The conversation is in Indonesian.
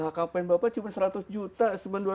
hkpn bapak cuma seratus juta